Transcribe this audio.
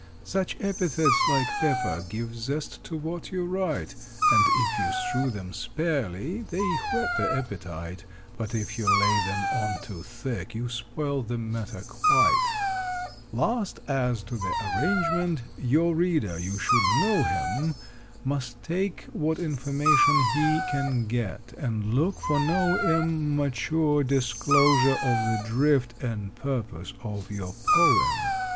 "Such epithets, like pepper, Give zest to what you write; And, if you strew them sparely, They whet the appetite: But if you lay them on too thick, You spoil the matter quite! [Illustration: "THE WILD MAN WENT HIS WEARY WAY"] "Last, as to the arrangement: Your reader, you should show him, Must take what information he Can get, and look for no im mature disclosure of the drift And purpose of your poem.